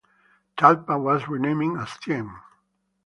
Talpa was renamed as Tien.